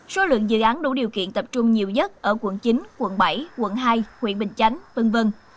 số lượng dự án đủ điều kiện tập trung nhiều nhất ở quận chín quận bảy quận hai huyện bình chánh v v